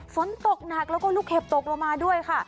ฝนตกหนักแล้วก็ลูกเห็บตกลงมาด้วยค่ะ